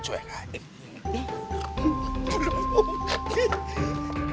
tuan gawat tuan